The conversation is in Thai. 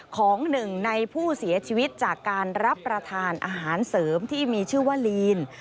ของหนึ่งในผู้เสียชีวิตจากการรับประทานอาหารเสริมที่มีชื่อว่าลีน